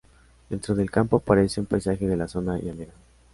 Dentro del campo, aparece un paisaje de la zona llanera.